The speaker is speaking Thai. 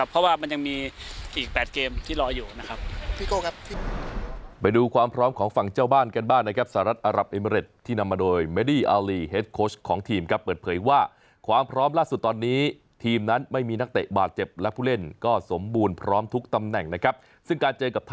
เพราะว่ามันยังมีอีก๘เกมที่รออยู่นะครับ